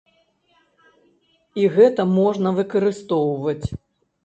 І гэта можна выкарыстоўваць.